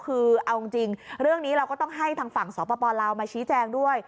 คือเอาจริงเรื่องนี้เราก็ต้องให้ทางฝั่งสปลาวมาชี้แจงด้วย